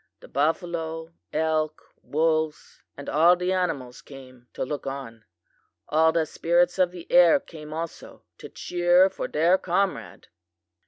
The buffalo, elk, wolves and all the animals came to look on. All the spirits of the air came also to cheer for their comrade.